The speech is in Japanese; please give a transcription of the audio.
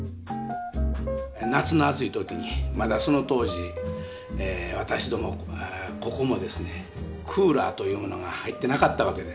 夏の暑い時にまだその当時私どもここもですねクーラーというものが入ってなかったわけです。